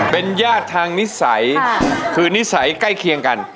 เป็นญาติทางนิสัยคือนิสัยใกล้เคียงกัน